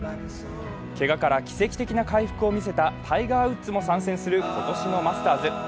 けがから奇跡的な回復を見せたタイガー・ウッズも参戦する今年のマスターズ。